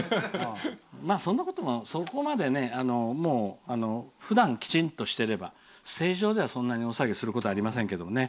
そこまではふだんきちんとしてれば正常では、そんなに大騒ぎすることありませんけどね。